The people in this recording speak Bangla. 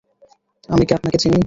আমি কি আপনাকে চিনি?